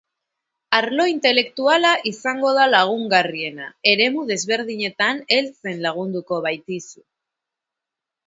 Arlo intelektuala izango da lagungarriena, eremu desberdinetan heltzen lagunduko baitizu.